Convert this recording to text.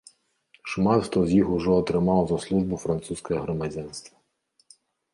Шмат хто з іх ужо атрымаў за службу французскае грамадзянства.